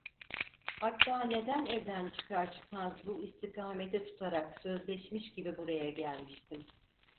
Hatta neden evden çıkar çıkmaz bu istikameti tutarak sözleşmiş gibi buraya gelmiştim.